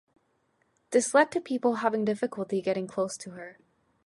This led to people having difficulty getting close to her.